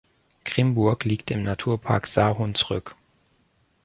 Grimburg liegt im Naturpark Saar-Hunsrück.